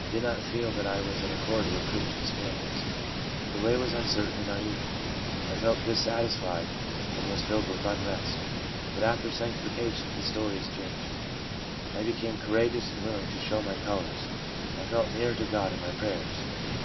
I did not feel that I was in accord with Christian standards. The way was un certain and uneven. I felt dissatisfied and was filled with unrest.' But after sanctification the story is changed: 'I became courageous and willing to show my colours. I felt nearer to God in my prayers.'